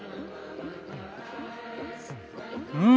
うん！